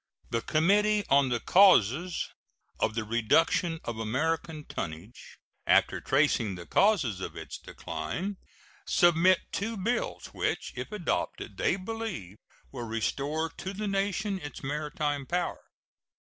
The Committee on the Causes of the Reduction of American Tonnage, after tracing the causes of its decline, submit two bills, which, if adopted, they believe will restore to the nation its maritime power.